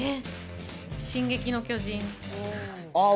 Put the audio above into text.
『進撃の巨人』。